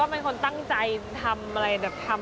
วันนี้ต้องลาไปแล้วนะสวัสดีค่ะ